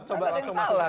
tidak ada yang salah